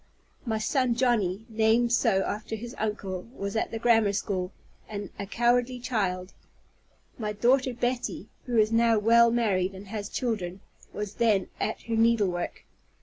My son Johnny, named so after his uncle, was at the grammar school, and a cowardly child. My daughter Betty (who is now well married, and has children) was then at her needlework.